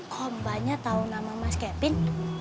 kok mbaknya tau nama mas kevin